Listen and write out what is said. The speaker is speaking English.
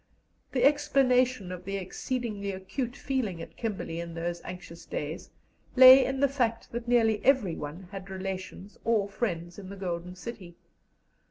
The explanation of the exceedingly acute feeling at Kimberley in those anxious days lay in the fact that nearly everyone had relations or friends in the Golden City.